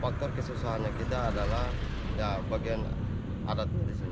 faktor kesusahannya kita adalah bagian adat di sini